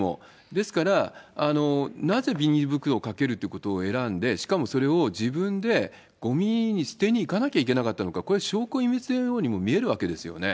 ですから、なぜビニール袋をかけるということを選んで、しかもそれを自分でごみに捨てに行かなきゃいけなかったのか、これは証拠隠滅のようにも見えるわけですよね。